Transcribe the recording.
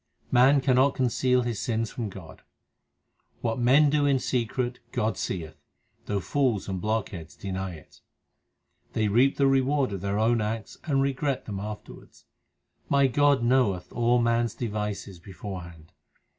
Man cannot conceal his sins from God : What men do in secret God seeth, though fools and block heads deny it. They reap the reward of their own acts and regret them afterwards. My God knoweth all man s devices beforehand.